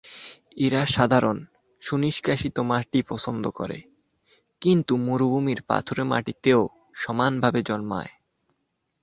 এরা সাধারণ, সুনিষ্কাশিত মাটি পছন্দ করে, কিন্তু মরুভূমির পাথুরে মাটিতেও সমানভাবে জন্মায়।